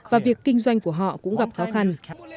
và việc kinh doanh của họ cũng gặp khó khăn